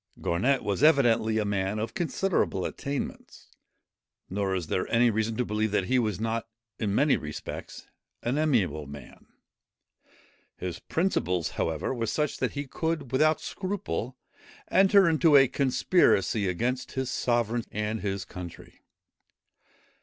Garnet was evidently a man of considerable attainments; nor is there any reason to believe that he was not, in many respects, an amiable man. His principles however, were such, that he could without scruple enter into a conspiracy against his sovereign and his country.